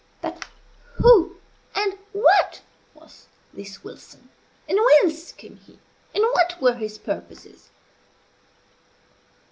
But who and what was this Wilson? and whence came he? and what were his purposes?